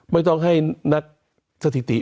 ไม่ต้องให้นักสถิติ